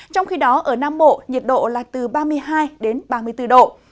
trong khi đó ở nam bộ nhiệt độ là từ ba mươi hai đến ba mươi bốn độ